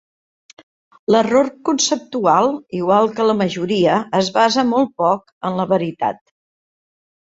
L'error conceptual, igual que la majoria, es basa molt poc en la veritat.